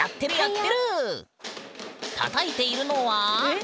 たたいているのは。